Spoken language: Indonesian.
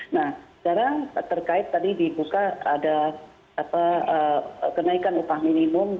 nah sekarang terkait tadi dibuka ada kenaikan upah minimum